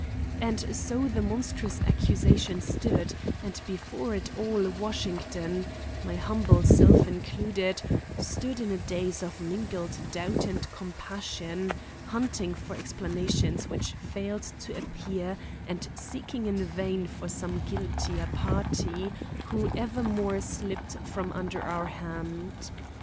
And so the monstrous accusation stood, and before it all Washington—my humble self included—stood in a daze of mingled doubt and compassion, hunting for explanations which failed to appear and seeking in vain for some guiltier party, who evermore slipped from under our hand.